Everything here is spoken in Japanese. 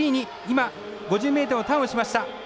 今５０ｍをターンをしました。